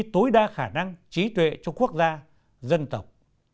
tối đa khả năng trí tuệ cho quốc gia dân tộc